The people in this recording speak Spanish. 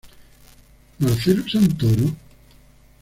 Marcelo Santoro?...